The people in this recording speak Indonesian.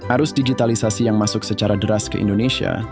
arus digitalisasi yang masuk secara deras ke indonesia